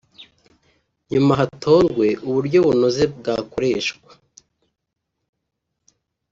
nyuma hatorwe uburyo bunoze bwakoreshwa